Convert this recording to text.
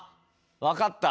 分かった！